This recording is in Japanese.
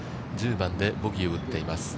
１０番でボギーを打っています。